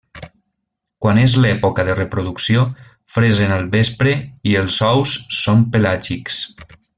Quan és l'època de reproducció, fresen al vespre i els ous són pelàgics.